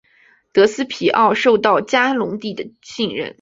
德斯皮奥受到嘉隆帝的信任。